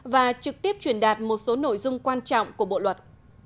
và trực tiếp truyền đạt một số nội dung quan trọng của bộ luật